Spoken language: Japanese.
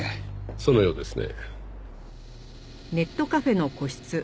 そのようですね。